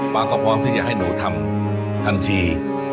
ก็พร้อมที่จะให้หนูทำทันที